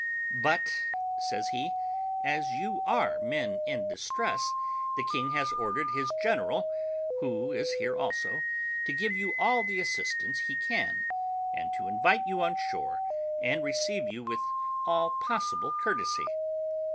"But," says he, "as you are men in distress, the king has ordered his general, who is here also, to give you all the assistance he can, and to invite you on shore, and receive you with all possible courtesy."